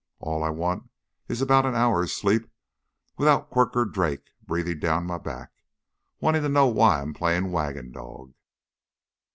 All I want is about an hour's sleep without Quirk or Drake breathin' down my back wantin' to know why I'm playin' wagon dog.